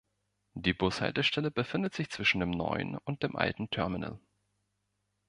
Die Bushaltestelle befindet sich zwischen dem neuen und dem alten Terminal.